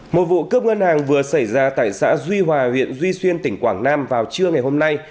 một vụ cướp ngân hàng vừa xảy ra tại xã duy hòa huyện duy xuyên tỉnh quảng nam vào trưa ngày hôm nay